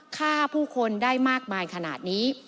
ฆ่าผู้คนได้มากมายขนาดนี้